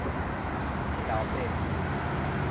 七老八拄